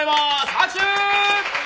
拍手！